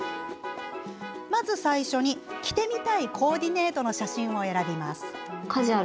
まず最初に、着てみたいコーディネートの写真を選びます。